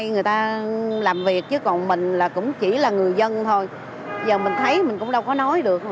người ta làm việc chứ còn mình là cũng chỉ là người dân thôi giờ mình thấy mình cũng đâu có nói được thôi